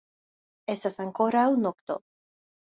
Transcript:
Estas ankoraŭ nokto.